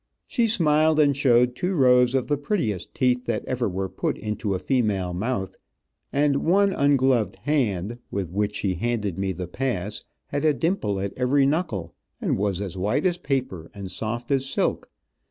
She smiled and showed two rows of the prettiest teeth that ever were put into a female mouth, and one ungloved hand, with which she handed me the pass had a dimple at every knuckle, and was as white as paper, and soft as silk.